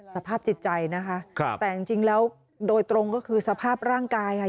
สภาพจิตใจนะคะแต่จริงแล้วโดยตรงก็คือสภาพร่างกายค่ะ